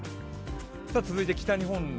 続いて北日本。